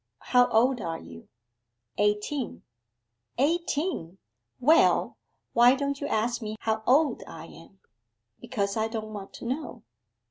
How old are you?' 'Eighteen.' 'Eighteen!... Well, why don't you ask me how old I am?' 'Because I don't want to know.